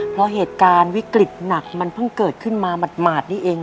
เพราะเหตุการณ์วิกฤตหนักมันเพิ่งเกิดขึ้นมาหมาดนี่เอง